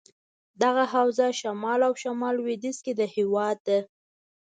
دغه حوزه شمال او شمال لودیځ کې دهیواد ده.